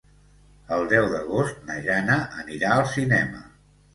El deu d'agost na Jana anirà al cinema.